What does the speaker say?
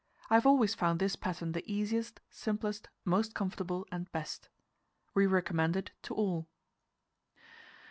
I have always found this pattern the easiest, simplest, most comfortable, and best. We recommend it to all.